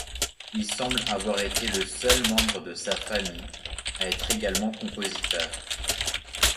Il semble avoir été le seul membre de sa famille à être également compositeur.